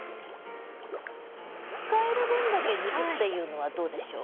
使える分だけ抜くっていうのはどうでしょう？